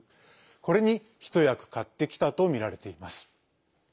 これに一役買ってきたとみられています。